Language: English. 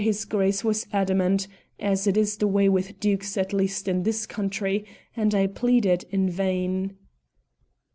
his Grace was adamant, as is the way with dukes, at least in this country, and I pleaded in vain."